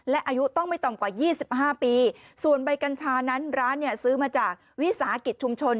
และอายุต้องไม่ต่ำกว่า๒๕ปีส่วนใบกัญชานั้นร้านเนี่ยซื้อมาจากวิสาหกิจชุมชน